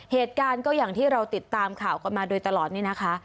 เหตุการณ์ก็อย่างที่เราติดตามข่าวกันมาโดยตลอดนี่นะคะ